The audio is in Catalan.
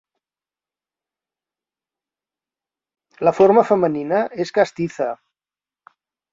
La forma femenina és castiza.